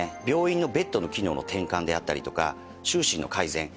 病院のベッドの機能の転換であったりとか収支の改善